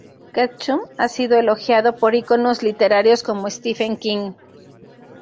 Ketchum ha sido elogiado por iconos literarios como Stephen King.